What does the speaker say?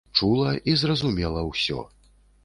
Чула і зразумела ўсё.